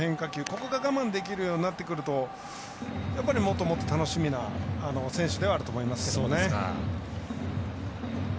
ここが我慢できるようになってくるともっともっと楽しみな選手ではあると思いますけどもね。